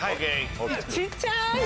小っちゃい。